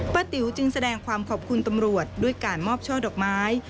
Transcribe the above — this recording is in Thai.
ติ๋วจึงแสดงความขอบคุณตำรวจด้วยการมอบช่อดอกไม้